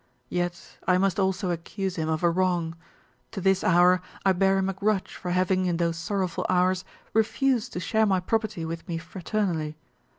Yet I must also accuse him of a wrong; to this hour I bear him a grudge for having, in those sorrowful hours, refused to share my property with me fraternally.